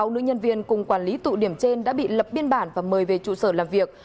sáu nữ nhân viên cùng quản lý tụ điểm trên đã bị lập biên bản và mời về trụ sở làm việc